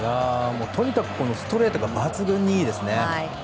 とにかくストレートが抜群にいいですね。